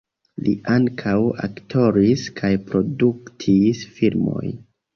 Li ankaŭ aktoris kaj produktis filmojn.